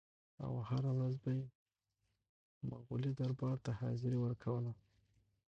او هره ورځ به یې مغولي دربار ته حاضري ورکوله.